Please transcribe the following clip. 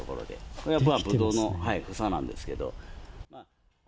これがぶどうの房なんですけど。